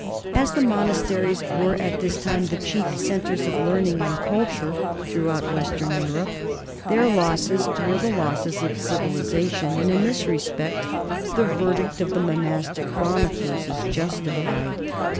As the monasteries were at this time the chief centres of learning and culture throughout western Europe, their losses were the losses of civilization, and in this respect the verdict of the mo nastic chroniclers is justified.